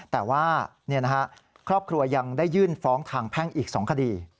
แต่ว่าครอบครัวยังได้ยื่นฟ้องทางแพ่งอีก๒คดี